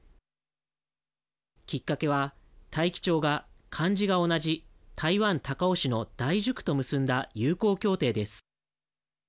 きっかけは大樹町が漢字が同じ台湾、高雄市の大樹区と結んだ友好協定です。